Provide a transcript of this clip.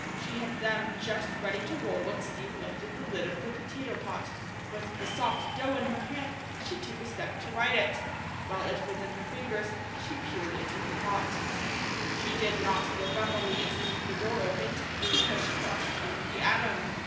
She had them just ready to roll when steam lifted the lid of the potato pot; with the soft dough in her hand she took a step to right it. While it was in her fingers, she peered into the pot. She did not look up on the instant the door opened, because she thought it would be Adam.